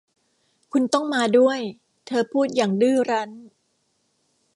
คุณต้องมาด้วยเธอพูดอย่างดื้อรั้น